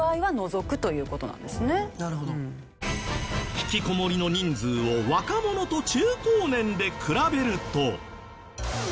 ひきこもりの人数を若者と中高年で比べると。